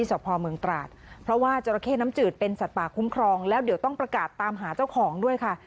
เจ้าตะเคน้ำจืดเป็นสัตว์ป่าคุ้มครองแล้วเดี๋ยวต้องประกาศตามหาเจ้าของด้วยค่ะ